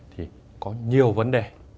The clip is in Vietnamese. thì có nhiều vấn đề